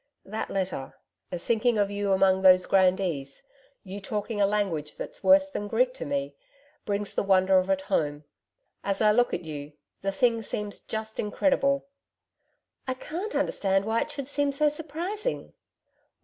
That letter thinking of you among those grandees, you talking a language that's worse than Greek to me, brings the wonder of it home. As I look at you, the thing seems just incredible.' 'I can't understand why it should seem so surprising.'